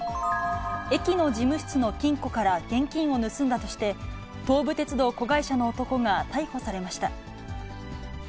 駅の事務室の金庫から、現金を盗んだとして、東武鉄道子会社の男が逮捕されました。